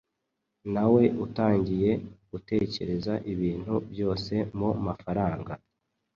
"Nawe utangiye gutekereza ibintu byose mu mafaranga